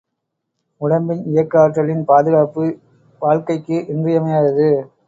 உடம்பின் இயக்க ஆற்றலின் பாதுகாப்பு வாழ்க்கைக்கு இன்றியமையாதது.